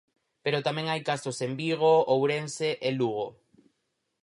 Pero tamén hai casos en Vigo, Ourense e Lugo.